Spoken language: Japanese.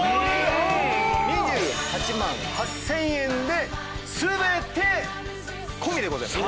２８万８０００円で全て込みでございます。